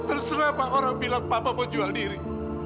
terserah pak orang bilang papa mau jual diri